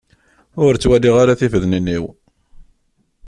Ur ttwalliɣ ara tifednin-iw.